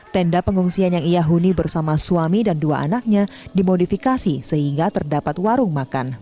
tenda pengungsian yang ia huni bersama suami dan dua anaknya dimodifikasi sehingga terdapat warung makan